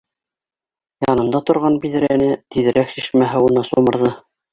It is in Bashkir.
Янында торгам биҙрәне тиҙерәк шишмә һыуына сумырҙы